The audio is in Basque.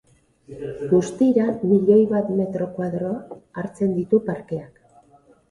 Guztira milioi bat metro koadro hartzen ditu parkeak.